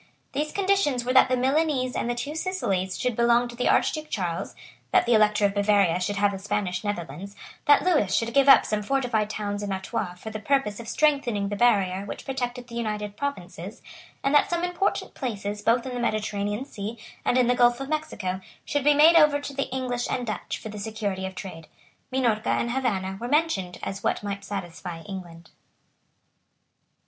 Those conditions were that the Milanese and the Two Sicilies should belong to the Archduke Charles, that the Elector of Bavaria should have the Spanish Netherlands, that Lewis should give up some fortified towns in Artois for the purpose of strengthening the barrier which protected the United Provinces, and that some important places both in the Mediterranean sea and in the Gulf of Mexico should be made over to the English and Dutch for the security of trade. Minorca and Havanna were mentioned as what might satisfy England.